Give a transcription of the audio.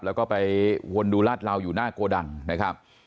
แล้วก็ไปวนดูลาดเหลาอยู่หน้าโกดังนะครับ